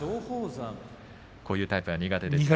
こういうタイプは苦手ですか？